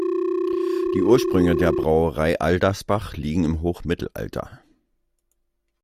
Die Ursprünge der Brauerei Aldersbach liegen im Hochmittelalter.